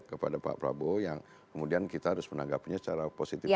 kepada pak prabowo yang kemudian kita harus menanggapinya secara positif